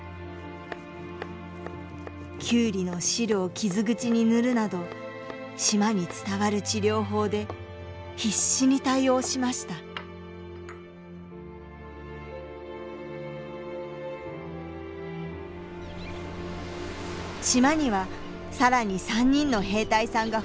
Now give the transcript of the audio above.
キュウリの汁を傷口に塗るなど島に伝わる治療法で必死に対応しました島には更に３人の兵隊さんが不時着してきました。